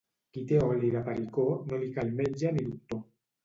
Qui té oli de pericó no li cal metge ni doctor.